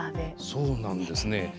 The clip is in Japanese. そうなんですね。